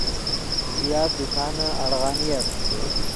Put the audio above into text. زیات دکانے اڑغانیف